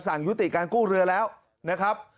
ยุติการกู้เรือแล้วนะครับ